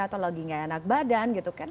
atau logi gak enak badan gitu kan